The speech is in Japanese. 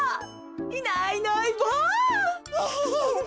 いないいないばあ！